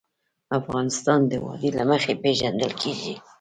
افغانستان د وادي له مخې پېژندل کېږي.